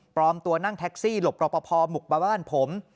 ปลอมตัวนั่งแท็กซี่หลบรอประพอมบุกมาบ้านผม